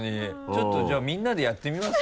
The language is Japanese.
ちょっとじゃあみんなでやってみます？